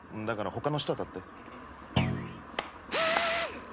だから他の人あたって。